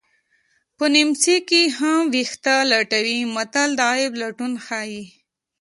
په نیمڅي کې هم ویښته لټوي متل د عیب لټون ښيي